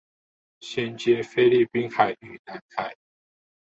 銜接菲律賓海與南海